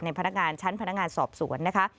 ในชั้นพนักงานสอบสวนนะคะ